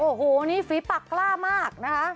โอ้โหอันนี้ฝีปากล่ามาก